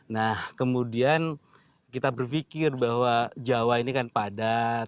nah kemudian kita berpikir bahwa jawa ini kan padat